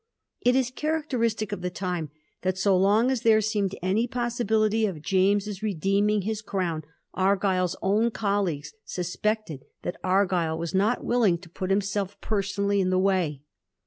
It is characteristic of the time that so long as there seemed any possibility of James redeeming his crown Argyll's own colleagues suspected that Argyll was not willing to put himself personally in the way.